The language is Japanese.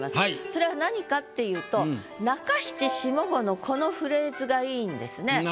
それは何かっていうと中七下五のこのフレーズがいいんですね。